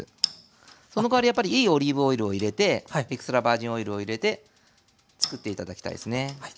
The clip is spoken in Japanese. そのかわりやっぱりいいオリーブオイルを入れてエクストラバージンオイルを入れてつくって頂きたいですね。